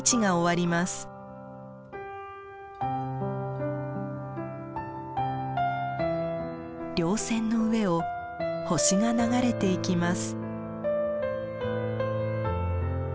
りょう線の上を星が流れていきます。